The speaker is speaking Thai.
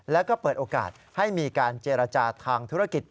แล้วก็เปิดโอกาสให้มีการเจรจาทางธุรกิจ